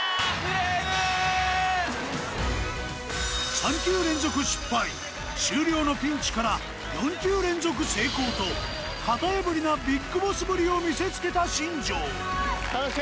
３球連続失敗終了のピンチから型破りなＢＩＧＢＯＳＳぶりを見せつけた新庄